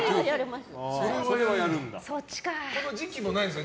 その時期もないですか。